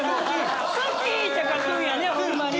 「すき」って書くんやねホンマに。